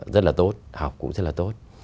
rất là tốt học cũng rất là tốt